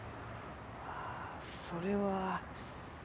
ああそれは。